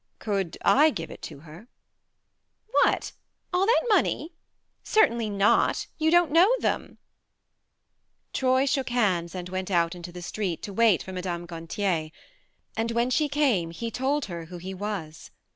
Could I give it to her ?"" What all that money ? Certainly not. You don't know them !" Troy shook hands and went out into the street to wait for Mme. Gantier; and when she came he told her who he was.